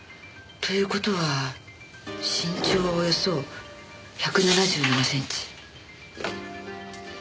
という事は身長はおよそ１７７センチ。